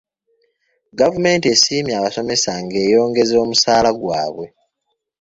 Gavumenti esiimye abasomesa nga eyongeza omusaala gwaabwe.